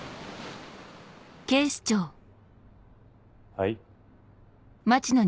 はい？